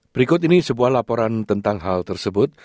berikut ini sebuah laporan tentang hal tersebut